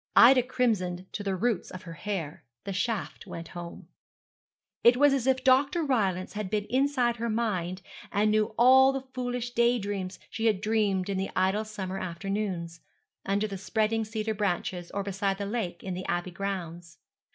Ida crimsoned to the roots of her hair. The shaft went home. It was as if Dr. Rylance had been inside her mind and knew all the foolish day dreams she had dreamed in the idle summer afternoons, under the spreading cedar branches, or beside the lake in the Abbey grounds.